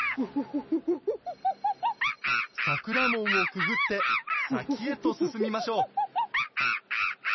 桜門をくぐって先へと進みましょう。